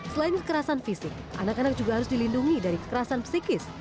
selain kekerasan fisik anak anak juga harus dilindungi dari kekerasan psikis